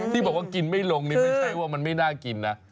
ที่บอกว่ากินไม่ลงนี่ไม่ใช่ว่ามันไม่น่ากินนะ